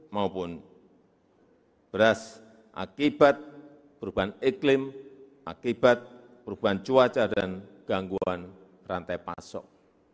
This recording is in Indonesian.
maupun beras akibat perubahan iklim akibat perubahan cuaca dan gangguan rantai pasok